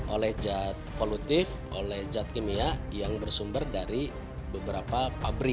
oleh zat polutif oleh zat kimia yang bersumber dari beberapa pabrik